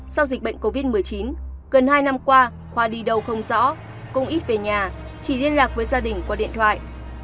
sau dịch bệnh covid một mươi chín gần hai năm qua khoa đi đâu không rõ cung ít về nhà chỉ liên lạc với gia đình qua điện thoại